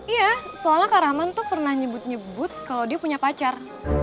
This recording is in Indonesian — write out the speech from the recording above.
iya soalnya kak rahman tuh pernah nyebut nyebut kalau dia punya pacar